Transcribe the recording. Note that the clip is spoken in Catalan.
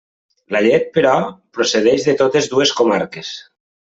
La llet, però, procedeix de totes dues comarques.